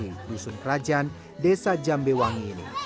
di dusun kerajaan desa jambewangi ini